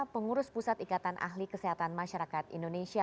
pengurus pusat ikatan ahli kesehatan masyarakat indonesia